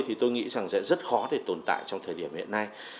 vì vậy tôi nghĩ sẽ rất khó để tồn tại trong thời điểm hiện nay